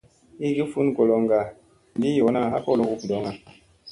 Igi fun goloŋga heengi yoona ha kolo hu bidoŋga.